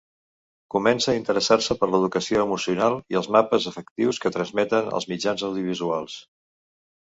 Comença a interessar-se per l'educació emocional i els mapes afectius que transmeten els mitjans audiovisuals.